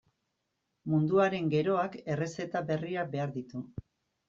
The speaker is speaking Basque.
Munduaren geroak errezeta berriak behar ditu.